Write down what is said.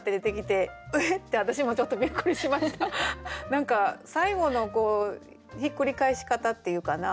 何か最後のひっくり返し方っていうかな。